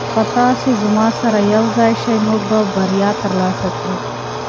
که تاسي زما سره یوځای شئ موږ به بریا ترلاسه کړو.